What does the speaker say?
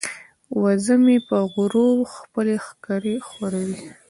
وزه مې په غرور خپلې ښکرې ښوروي.